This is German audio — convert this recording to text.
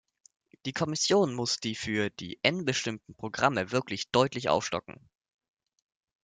Die Kommission muss die für die Nbestimmten Programme wirklich deutlich aufstocken.